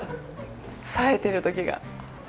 さえてる時が！